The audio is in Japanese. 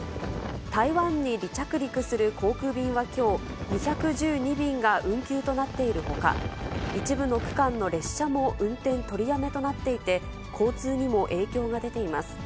台湾に離着陸する航空便はきょう、２１２便が運休となっているほか、一部の区間の列車も運転取りやめとなっていて、交通にも影響が出ています。